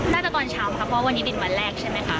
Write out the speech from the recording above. น่าจะตอนเช้ามาครับเพราะวันนี้เป็นวันแรกใช่ไหมค่ะ